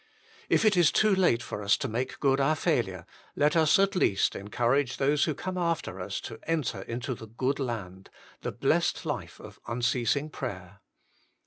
If it is too late for us to make good our failure, let us at least encourage those who come after us to enter into the good land, the blessed life of unceasing prayer.